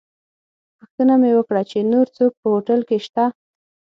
پوښتنه مې وکړه چې نور څوک په هوټل کې شته.